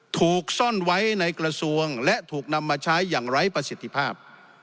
ถูกซ่อนไว้ในกระทรวงและถูกนำมาใช้อย่างไร้ประสิทธิภาพ